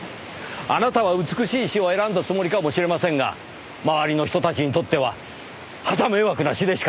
あなたは美しい死を選んだつもりかもしれませんが周りの人たちにとってははた迷惑な死でしかありません。